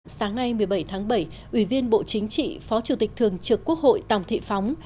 sáng nay một mươi bảy tháng bảy ủy viên bộ chính trị phó chủ tịch thường trực quốc hội tòng thị phóng